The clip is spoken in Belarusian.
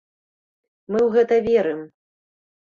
Мы ў гэта верым!